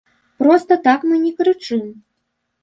Проста так мы не крычым.